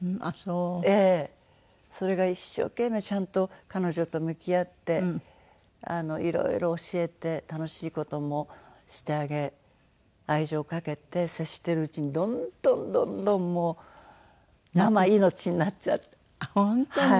それが一生懸命ちゃんと彼女と向き合っていろいろ教えて楽しい事もしてあげ愛情かけて接してるうちにどんどんどんどんもうママ命になっちゃって。